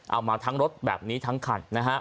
เอามาทั้งรถแบบนี้ทั้งคันนะฮะ